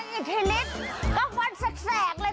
อุ้ยสังเกตปีขอหวัดใส่แสกเลยค่ะ